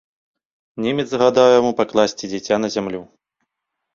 Немец загадаў яму пакласці дзіця на зямлю.